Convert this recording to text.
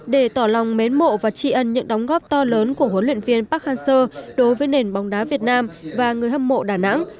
để tỏ lòng mến mộ và trị ân những đóng góp to lớn của huấn luyện viên park hang seo đối với nền bóng đá việt nam và người hâm mộ đà nẵng